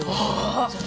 ああ。